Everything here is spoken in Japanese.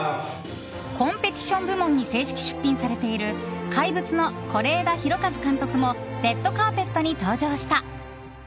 コンペティション部門に正式出品されている「怪物」の是枝裕和監督もレッドカーペットに登場した。